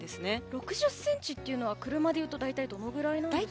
６０ｃｍというのは車でいうとどのくらいですか。